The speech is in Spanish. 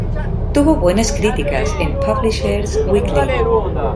Tuvo buenas criticas en Publishers Weekly.